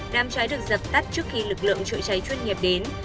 đám cháy được dập tắt trước khi lực lượng chữa cháy chuyên nghiệp đến